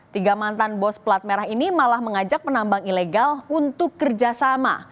tiga mantan bos plat merah ini malah mengajak penambang ilegal untuk kerjasama